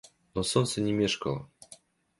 Но солнце не мешкало.